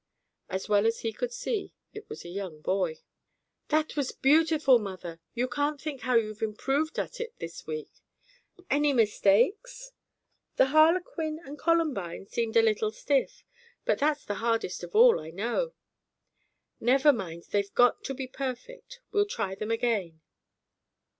As well as he could see, it was a young boy. "That was beautiful, mother. You can't think how you've improved at it this week." "Any mistakes?" "The harlequin and columbine seemed a little stiff; but that's the hardest of all, I know." "Never mind; they've got to be perfect. We'll try them again."